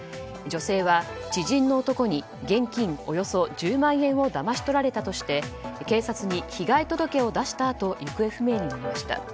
女性は、知人の男に現金およそ１０万円をだまし取られたとして警察に被害届を出したあと行方不明になりました。